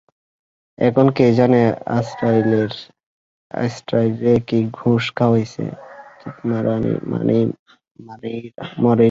এখন কে জানে আযারাইলরে কী ঘুষ খাওয়াইছে, চুদমারানি মরেই না।